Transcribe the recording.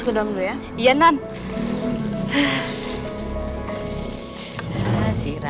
kita boleh sadar